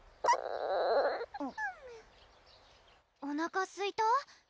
⁉コメおなかすいた？